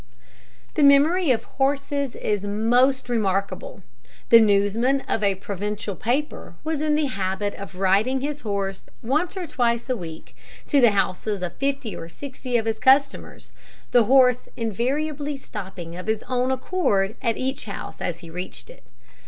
The memory of horses is most remarkable. The newsman of a provincial paper was in the habit of riding his horse once or twice a week to the houses of fifty or sixty of his customers, the horse invariably stopping of his own accord at each house as he reached it.